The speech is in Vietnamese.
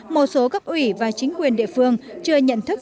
một số cấp ủy và chính quyền địa phương chưa nhận thức